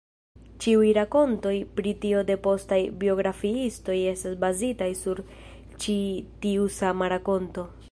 Ĉiuj rakontoj pri tio de postaj biografiistoj estas bazitaj sur ĉi tiu sama rakonto.